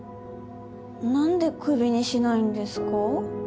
何でクビにしないんですか？